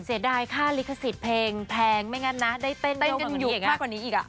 เสียดายค่าลิขสิทธิ์เพลงแพงไม่งั้นนะได้เต้นเต้นกันอยู่มากกว่านี้อีกอ่ะ